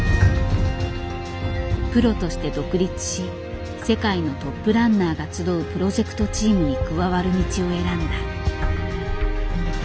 プロとして独立し世界のトップランナーが集うプロジェクトチームに加わる道を選んだ。